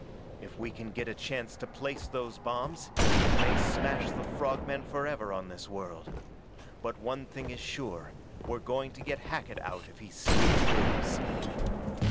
If we can get a chance to place those bombs it may smash the frog men forever on this world. But one thing is sure: we're going to get Hackett out if he still lives!"